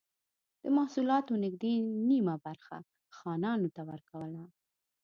د محصولاتو نږدې نییمه برخه خانانو ته ورکوله.